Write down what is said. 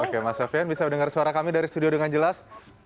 oke mas sofian bisa mendengar suara kami dari studio dengan jelas